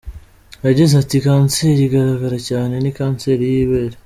Yagize ati “Kanseri igaragara cyane ni kanseri y’ ibere.